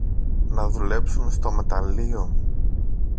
να δουλέψουν στο μεταλλείο